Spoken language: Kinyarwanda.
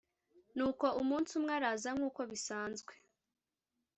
Nuko umunsi umwe araza nk’uko bisanzwe